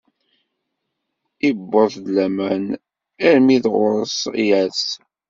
Iwweḍ-d laman armi d ɣuṛ-s, yers.